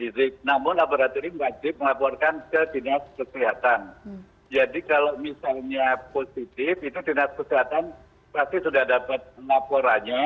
jadi kalau misalnya positif itu dinas kesehatan pasti sudah dapat laporannya